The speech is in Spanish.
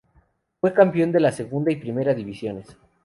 Fue campeón de la Segunda y Primera Divisiones.